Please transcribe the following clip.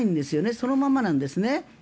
そのままなんですね。